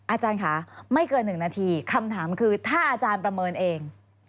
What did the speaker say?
อาจารย์ค่ะไม่เกิน๑นาทีคำถามคือถ้าอาจารย์ประเมินเอง